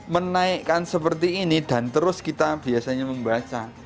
menaikkan seperti ini dan terus kita biasanya membaca